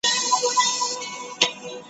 او تر اوسه مي نه مادي ,